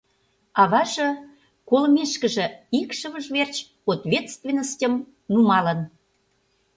Аваже, колымешкыже, икшывыж верч ответственностьым нумалын!